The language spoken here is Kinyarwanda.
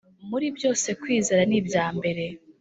muri byose kwizera ni bya mbere